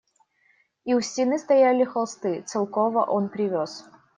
И у стены стояли холсты Целкова, он привез.